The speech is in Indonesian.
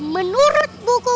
menurut buku ku